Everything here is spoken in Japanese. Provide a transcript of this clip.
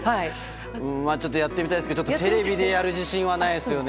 やってみたいですけどテレビでやる自信はないですね。